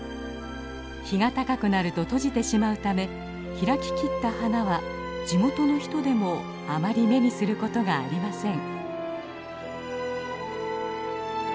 日が高くなると閉じてしまうため開ききった花は地元の人でもあまり目にすることがありません。